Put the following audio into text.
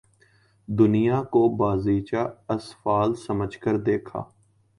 دنیا کو بازیچہ اطفال سمجھ کر دیکھا